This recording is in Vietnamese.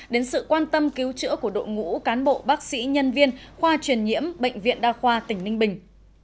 đến sự quan tâm cứu chữa của đội ngũ cán bộ bác sĩ nhân viên khoa truyền nhiễm bệnh viện đa khoa tỉnh ninh bình